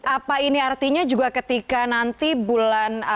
apa ini artinya juga ketika nanti bulan